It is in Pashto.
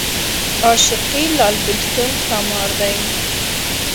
عاشقي لال بېلتون ښامار دی